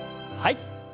はい。